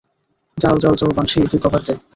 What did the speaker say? যাও যাও যাও বানশি, তুই কভার দে।